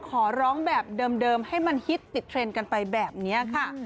ขอร้องแบบเดิมให้มันฮิตติดเทรนด์กันไปแบบนี้ค่ะ